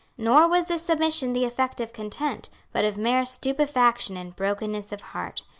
Nor was this submission the effect of content, but of mere stupefaction and brokenness of heart.